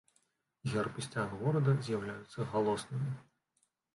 Герб і сцяг горада з'яўляюцца галоснымі.